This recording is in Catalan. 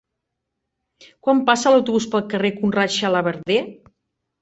Quan passa l'autobús pel carrer Conrad Xalabarder?